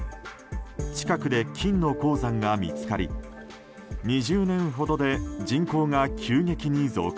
近くで金の鉱山が見つかり２０年ほどで人口が急激に増加。